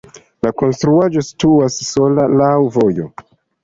La konstruaĵo situas sola laŭ vojo.